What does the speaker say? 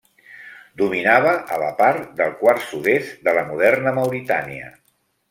Dominava a la part del quart sud-est de la moderna Mauritània.